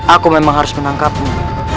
aku memang harus menangkapmu